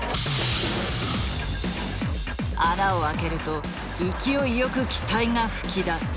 穴を開けると勢いよく気体が噴き出す。